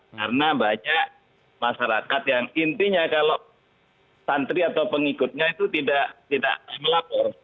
karena banyak masyarakat yang intinya kalau santri atau pengikutnya itu tidak melapor